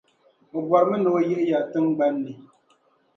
O bɔrimi ni o yihi ya yi tiŋgbani ni.